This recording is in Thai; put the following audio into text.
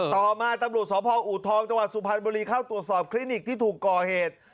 ต่อมาตำรวจสพอูทองจังหวัดสุพรรณบุรีเข้าตรวจสอบคลินิกที่ถูกก่อเหตุ